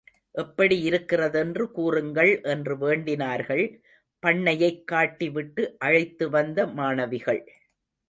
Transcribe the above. எப்படி இருக்கிறதென்று கூறுங்கள் என்று வேண்டினார்கள், பண்ணையைக் காட்டி விட்டு அழைத்து வந்த மாணவிகள்.